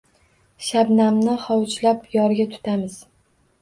Shabnamni hovuchlab yorga tutamiz